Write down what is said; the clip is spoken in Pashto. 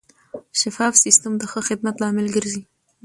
شفاف سیستم د ښه خدمت لامل ګرځي.